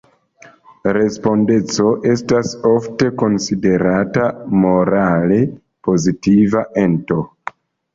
Respondeco estas ofte konsiderata morale pozitiva ento.